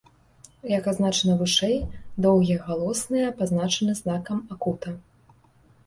Як адзначана вышэй, доўгія галосныя пазначаны знакам акута.